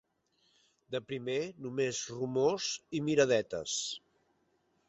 De primer, només rumors i miradetes.